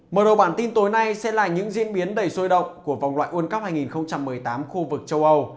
mở đầu bản tin tối nay sẽ là những diễn biến đầy sôi động của vòng loại world cup hai nghìn một mươi tám khu vực châu âu